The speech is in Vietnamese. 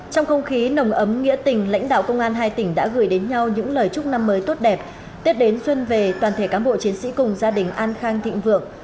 trong không khí nồng ấm nghĩa tình lãnh đạo công an hai tỉnh đã gửi đến nhau những lời chúc năm mới tốt đẹp tết đến xuân về toàn thể cán bộ chiến sĩ cùng gia đình an khang thịnh vượng